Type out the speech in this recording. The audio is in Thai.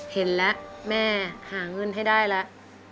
เห็นแล้วแม่หาเงินให้ได้แล้ว